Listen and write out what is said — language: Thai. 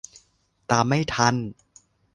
ตามไม่ทัน